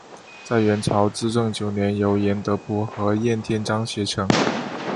在元朝至正九年由严德甫和晏天章写成。